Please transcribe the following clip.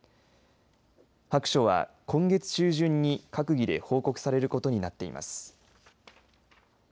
白書は今月中旬に閣議で報告されることになっています。